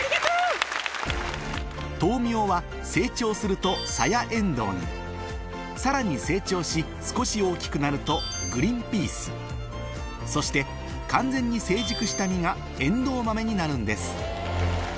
豆苗は成長するとサヤエンドウにさらに成長し少し大きくなるとグリーンピースそして完全に成熟した実がエンドウ豆になるんです